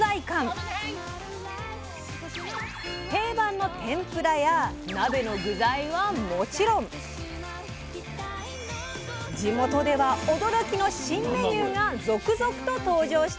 定番の天ぷらや鍋の具材はもちろん地元では驚きの新メニューが続々と登場しています。